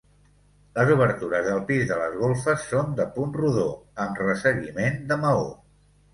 Les obertures del pis de les golfes són de punt rodó, amb resseguiment de maó.